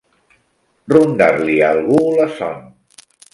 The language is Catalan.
Rondar-li a algú la son.